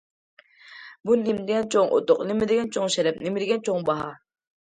بۇ نېمىدېگەن چوڭ ئۇتۇق، نېمىدېگەن چوڭ شەرەپ، نېمىدېگەن چوڭ باھا!